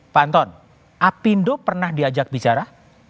pak anton apindo pernah diajak bicara